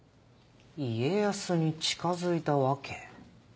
家康に近づいた訳。